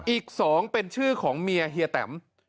อีก๒เป็นชื่อของเมียเฮียแตม